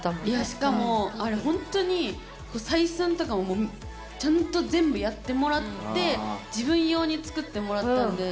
しかもあれほんとに採寸とかもちゃんと全部やってもらって自分用に作ってもらったんで。